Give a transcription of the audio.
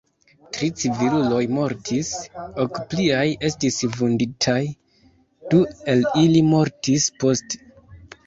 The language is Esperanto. Tri civiluloj mortis, ok pliaj estis vunditaj, du el ili mortis poste.